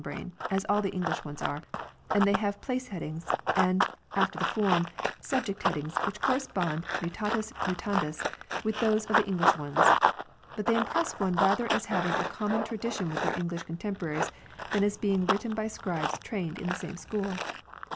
OF THE REIGN OF KING JOHN 27 brane, as all the English ones are, and they have place headings and, after the form, subject headings which correspond, "mutatis mutandis," with those on the English ones. But they impress one rather as having a common tradition with their English contemporaries than as being written by scribes trained in the same school.